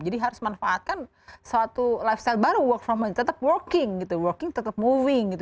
jadi harus manfaatkan suatu lifestyle baru work from home tetap working gitu working tetap moving gitu